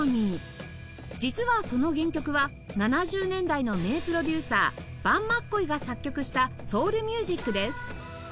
実はその原曲は７０年代の名プロデューサーヴァン・マッコイが作曲したソウルミュージックです